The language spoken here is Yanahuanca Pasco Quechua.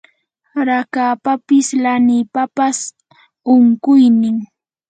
rakapapas lanipapas unquynin